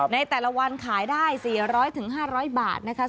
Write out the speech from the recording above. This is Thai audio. ในแต่ละวันขายได้๔๐๐๕๐๐บาทนะคะ